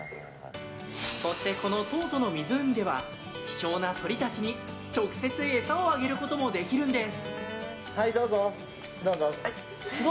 そして、このトートの湖では希少な鳥たちに、直接餌をあげることもできるんです。